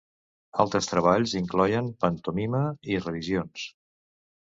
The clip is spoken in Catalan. Altres treballs incloïen pantomima i revisions.